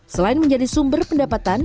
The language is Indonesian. selain menjadi sumber pendapatan